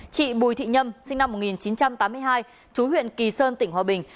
chị bùi thị nhâm sinh năm một nghìn chín trăm tám mươi hai chú huyện kỳ sơn tỉnh hòa bình